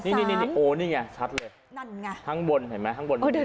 นี่นี่ไงชัดเลยทางบนเห็นไม่อยู่๓ตัว